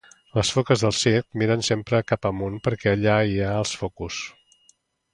Les foques del circ miren sempre cap amunt perquè allà hi ha els focus